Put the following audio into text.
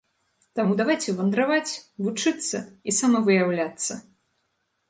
Таму давайце вандраваць, вучыцца і самавыяўляцца!